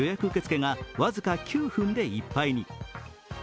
受け付けが僅か９分でいっぱいに。